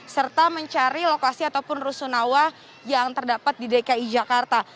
serta mencari lokasi ataupun rusunawa yang terdapat di dki jakarta